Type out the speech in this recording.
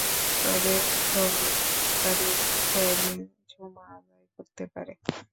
তবে ভ্রমণকারী চাইলে জুমা আদায় করতে পারে।